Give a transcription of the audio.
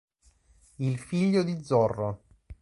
Il figlio di Zorro